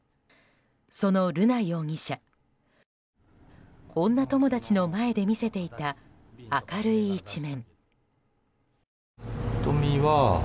その瑠奈容疑者女友達の前で見せていた明るい一面。